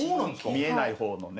見えないほうのね。